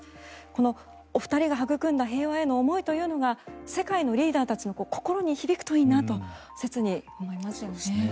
このお二人がはぐくんだ平和への思いというのが世界のリーダーたちの心に響くといいなと切に願いますよね。